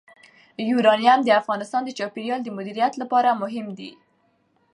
یورانیم د افغانستان د چاپیریال د مدیریت لپاره مهم دي.